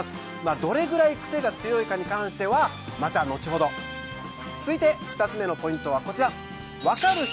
どれぐらいクセが強いかに関しては続いて２つ目のポイントはこちら。